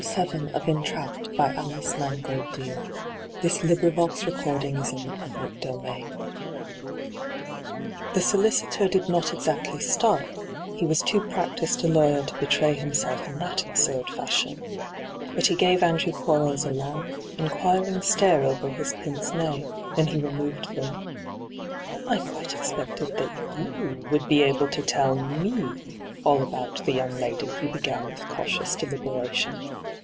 First of all, who is this girl, this future ward of mine, Margaret Money ?* hyGoogIc CHAPTEK VII Thb solicitor did not exactly start ; he was too practised a lawyer to betray himself in that absard foshion. But he gave Andrew Quarles a long, inquiring stare over his pince nez ; then he removed them. ' I. quite expected that you would be able to tell me all about the young lady,' he began with cautious deliberation.